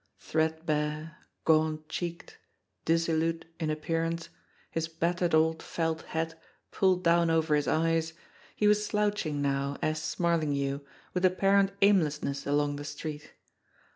Threadbare, gaunt cheeked, dissolute in appearance, his battered old felt hat pulled down over his eyes, he was slouching now, as Smarlinghue, with apparent aimlessness along the street.